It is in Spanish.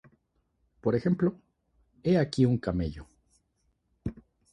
Por ejemplo: "He aquí un camello.